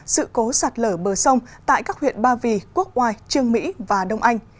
sự cố sạt lở bờ sông tại các huyện ba vì quốc hoài trương mỹ và đông anh